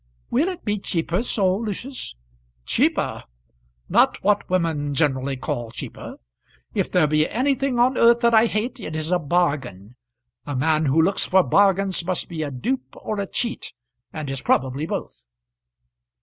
"Will it be cheaper so, Lucius?" "Cheaper! not what women generally call cheaper. If there be anything on earth that I hate, it is a bargain. A man who looks for bargains must be a dupe or a cheat, and is probably both."